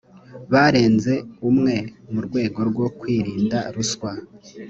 barenze umwe mu rwego rwo kwirinda ruswa